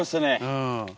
うん。